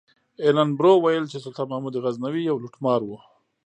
ایلن برو ویل چې سلطان محمود غزنوي یو لوټمار و.